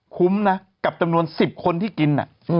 คุ้มนะกับจำนวน๑๐คนที่กิน